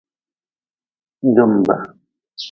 Jumbe.